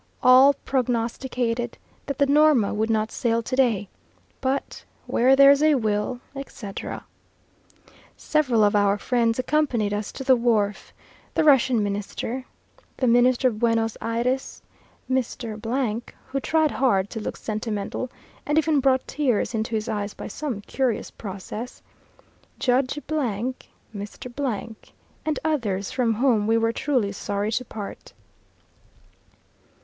All prognosticated that the Norma would not sail to day, but "where there's a will," etc. Several of our friends accompanied us to the wharf; the Russian Minister, the Minister of Buenos Ayres, Mr. , who tried hard to look sentimental, and even brought tears into his eyes by some curious process; Judge , Mr. , and others, from whom we were truly sorry to part.